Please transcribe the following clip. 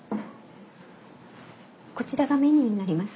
こちらがメニューになります。